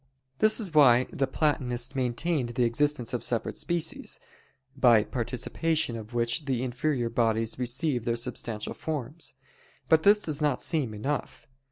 This is why the Platonists maintained the existence of separate species, by participation of which the inferior bodies receive their substantial forms. But this does not seem enough.